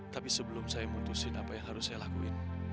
tapi sebelum saya putusin apa yang harus saya lakuin